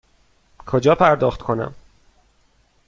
کجا پرداخت کنم؟